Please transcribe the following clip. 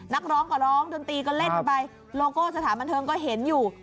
นักร้องก็ร้องดนตรีก็เล่นกันไปโลโก้สถานบันเทิงก็เห็นอยู่